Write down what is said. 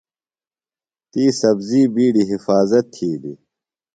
تی سبزی بِیڈیۡ حفاظت تِھیلیۡ۔